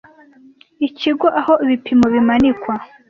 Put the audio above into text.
ikigo aho ibipimo bimanikwa